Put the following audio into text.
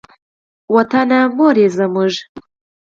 وطنه مور یې زموږ.